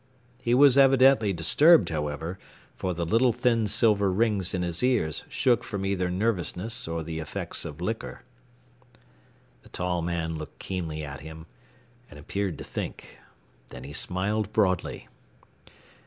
He was evidently disturbed, however, for the little thin silver rings in his ears shook from either nervousness or the effects of liquor. The tall man looked keenly at him, and appeared to think. Then he smiled broadly.